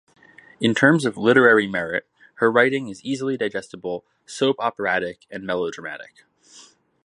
In terms of literary merit, her writing is easily digestible, soap-operatic, and melodramatic.